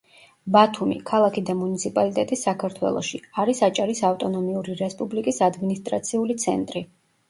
ბათუმი — ქალაქი და მუნიციპალიტეტი საქართველოში, არის აჭარის ავტონომიური რესპუბლიკის ადმინისტრაციული ცენტრი.